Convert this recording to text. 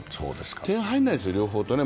点、入らないですよ、両方とも。